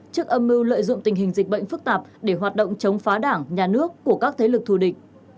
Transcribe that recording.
trước âm mưu lợi dụng tình hình dịch bệnh phức tạp để hoạt động chống phá đảng nhà nước của các thế lực thù địch